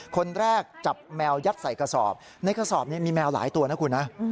คนแรกจับแมวยัดใส่กระสอบในกระสอบนี้มีแมวหลายตัวนะคุณนะ